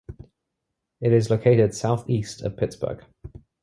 It is located southeast of Pittsburgh.